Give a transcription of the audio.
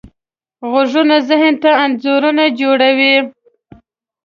غږونه ذهن ته انځورونه جوړوي.